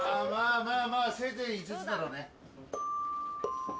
まあまあせいぜい５つだろうね。